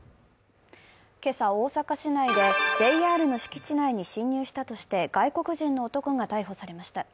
今朝大阪市内でＪＲの敷地内に侵入したとして外国人の男が逮捕されました。